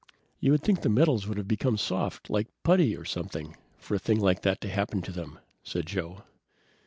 "You would think the metals would have become soft, like putty, or something, for a thing like that to happen to them," said Joe.